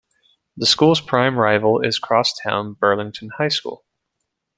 The school's prime rival is cross-town Burlington High School.